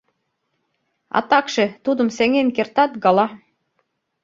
А такше, тудым сеҥен кертат гала?